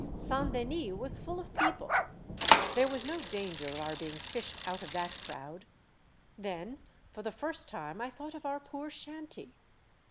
Saint Denis was full of people. There was no danger of our being fished out of that crowd. Then for the first time I thought of our poor shanty.